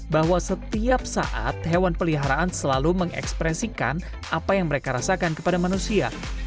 bahwa setiap saat hewan peliharaan selalu mengekspresikan apa yang mereka rasakan kepada manusia